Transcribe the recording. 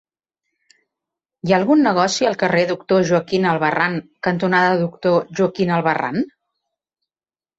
Hi ha algun negoci al carrer Doctor Joaquín Albarrán cantonada Doctor Joaquín Albarrán?